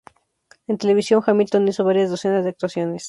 En televisión, Hamilton hizo varias docenas de actuaciones.